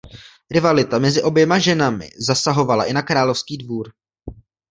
Rivalita mezi oběma ženami zasahovala i na královský dvůr.